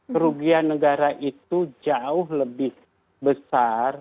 kerugian negara itu jauh lebih besar